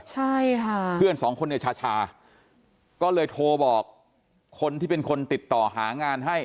ใช่ค่ะเพื่อนสองคนในชาชาก็เลยโทรบอกคนที่เป็นคนติดต่อหางานให้